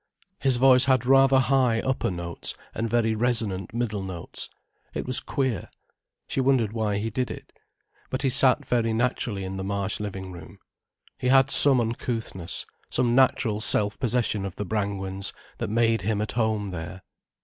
His voice had rather high upper notes, and very resonant middle notes. It was queer. She wondered why he did it. But he sat very naturally in the Marsh living room. He had some uncouthness, some natural self possession of the Brangwens, that made him at home there.